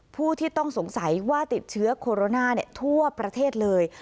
ผู้ที่ต้องสงสัยว่าติดเชื้อโคโรนาทั่วประเทศเลย